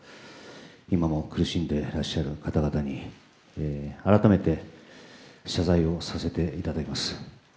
今も苦しんでいらっしゃる方々に改めて謝罪をさせていただきます。